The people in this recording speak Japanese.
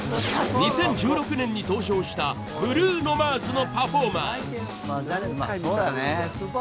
２０１６年に登場したブルーノ・マーズのパフォーマンス。